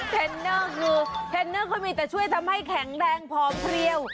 เทรนเนอร์คือเทรนเนอร์เขามีแต่ช่วยทำให้แข็งแรงผอมเพลียว